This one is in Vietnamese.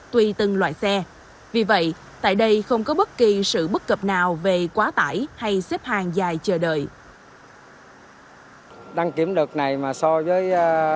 tùy từng loại xe vì vậy tại đây không có bất kỳ sự bất cập nào về quá tải hay xếp hàng dài chờ đợi